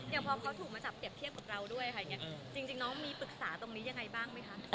อย่างพอเขาถูกมาจับเปรียบเทียบกับเราด้วยค่ะอย่างนี้จริงน้องมีปรึกษาตรงนี้ยังไงบ้างไหมคะ